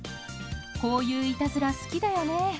こういういたずら好きだよね。